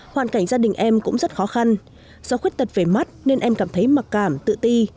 hoàn cảnh gia đình em cũng rất khó khăn do khuyết tật về mắt nên em cảm thấy mặc cảm tự ti